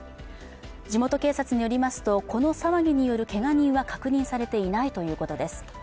地元警察によりますとこの騒ぎによるけが人は確認されていないということです。